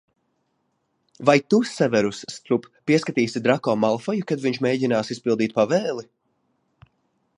Vai tu, Severus Strup, pieskatīsi Drako Malfoju, kad viņš mēģinās izpildīt pavēli?